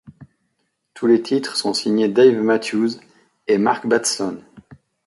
Tous les titres sont signés Dave Matthews et Mark Batson.